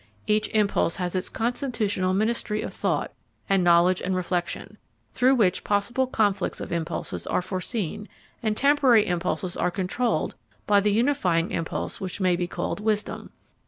Each impulse has its constitutional ministry of thought and knowledge and reflection, through which possible conflicts of impulses are foreseen, and temporary impulses are controlled by the unifying impulse which may be called wisdom.